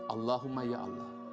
allahumma ya allah